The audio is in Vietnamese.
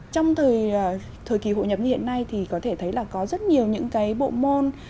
trong thời kỳ hội nhập như hiện nay thì có thể thấy là có rất nhiều những cái bộ môn